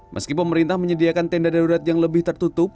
meski pemerintah menyediakan tenda darurat yang lebih tertutup